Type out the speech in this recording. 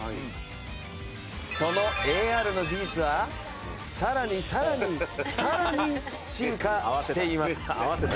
そのＡＲの技術はさらにさらにさらに進化しています。